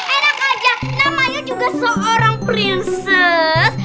enak aja namanya juga seorang princer